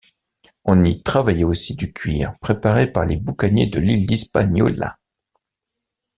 On y travaillait aussi du cuir préparé par les boucaniers sur l’île d’Hispaniola.